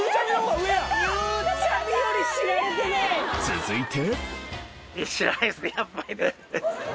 続いて。